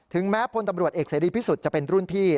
แม้พลตำรวจเอกเสรีพิสุทธิ์จะเป็นรุ่นพี่